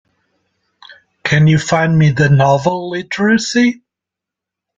Can you find me the novel, Literacy?